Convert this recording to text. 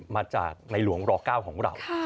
มาจากในหลวงร๙ของเรา